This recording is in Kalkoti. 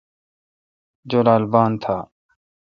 جولال بان تھا۔